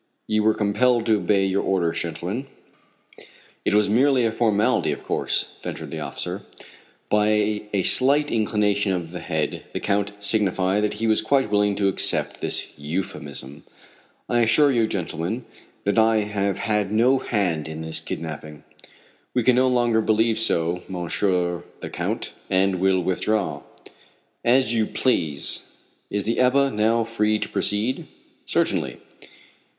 "You were compelled to obey your orders, gentlemen." "It was merely a formality, of course," ventured the officer. By a slight inclination of the head the Count signified that he was quite willing to accept this euphemism. "I assure you, gentlemen, that I have had no hand in this kidnapping." "We can no longer believe so, Monsieur the Count, and will withdraw." "As you please. Is the Ebba now free to proceed?" "Certainly."